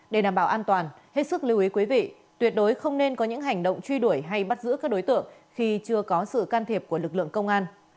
để đảm bảo an toàn hết sức lưu ý quý vị tuyệt đối không nên có những hành động truy đuổi hay bắt giữ các đối tượng khi chưa có sự can thiệp của lực lượng công an